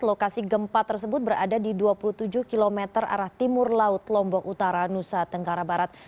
lokasi gempa tersebut berada di dua puluh tujuh km arah timur laut lombok utara nusa tenggara barat